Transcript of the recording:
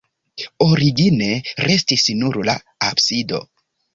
Origine restis nur la absido.